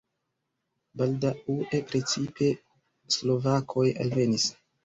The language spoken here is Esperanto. Baldaŭe precipe slovakoj alvenis.